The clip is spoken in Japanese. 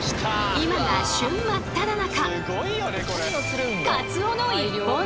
今が旬真っただ中！